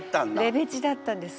レベチだったんです。